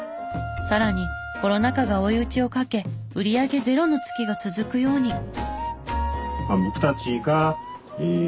さらにコロナ禍が追い打ちをかけ売り上げゼロの月が続くように。